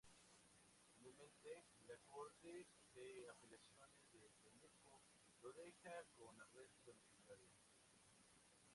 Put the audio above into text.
Finalmente, la Corte de Apelaciones de Temuco lo dejó con arresto domiciliario.